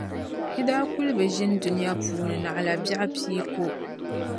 Yi daa kuli bi ʒini Dunia puuni naɣila biεɣu pia ko.